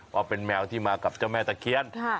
เพราะเป็นแมวที่มากับเจ้าแม่ตะเคียน